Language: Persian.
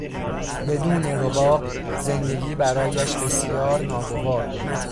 بدون رباب، زندگی برایش بسیار ناگوار بود.